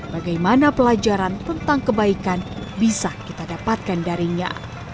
bagaimana pelajaran tentang kebaikan bisa kita dapatkan darinya